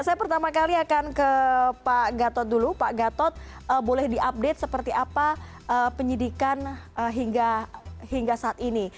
saya pertama kali akan ke pak gatot dulu pak gatot boleh diupdate seperti apa penyidikan hingga saat ini